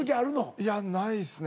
いやないっすね。